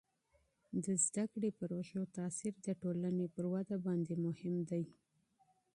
د تعلیمي پروژو تاثیر د ټولني پر وده باندې مهم دی.